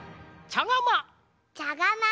ちゃがま。